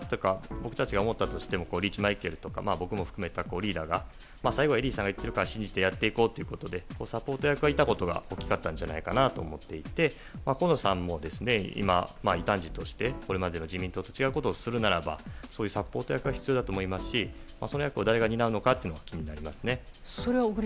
僕たちが思ったとしてもリーチマイケルとか僕ら含めたリーダーが最後はエディーさんを信じてやっていこうということでサポート役がいたことが大きかったんじゃないかなと思っていて河野さんも、今異端児としてこれまでの次元と違うことをするならばそういうサポート役が必要だと思いますしその役を誰が担うのかも気になりますね。